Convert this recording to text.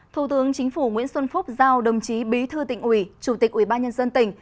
thủ tướng chính phủ nguyễn xuân phúc giao đồng chí bí thư tỉnh ủy chủ tịch ủy ban nhân dân tỉnh